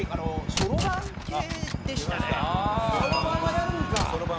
そろばんはやるんか。